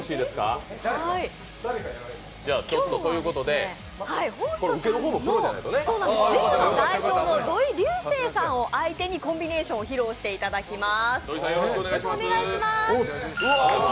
今日はホーストさんのジムの代表の土居龍晴さんを相手にコンビネーションを披露していただきます。